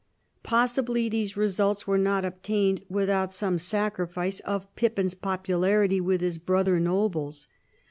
Possibly these results were not obtained without some sacrifice of Pippin's popularity with his brother nobles.